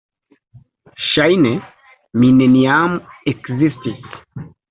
Ŝajne mi neniam ekzistis.